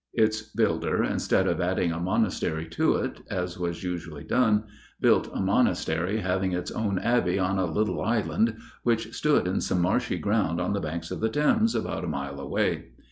Its builder, instead of adding a monastery to it, as was usually done, built a monastery having its own Abbey on a little Island which stood in some marshy ground on the banks of the Thames, about a mile away.